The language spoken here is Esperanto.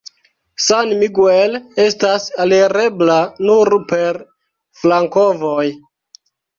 San Miguel estas alirebla nur per flankovoj.